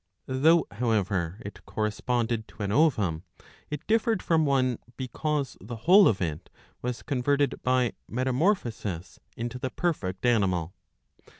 ^ Though, however, it corresponded to an ovum, it diff'ered from one because the whole of it was converted by metamor phosis into the perfect animal.